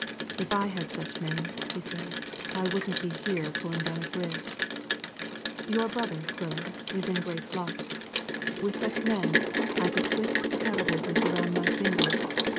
"If I had such men," he said, "I wouldn't be here pulling down a bridge. Your brother, Quiller, is in great luck. With such men, I could twist the cattle business around my finger.